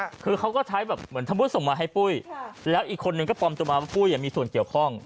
คือเขาก็ใช้แบบเหมือนสมมุติส่งมาให้ปุ้ยแล้วอีกคนนึงก็ปลอมตัวมาว่าปุ้ยมีส่วนเกี่ยวข้อง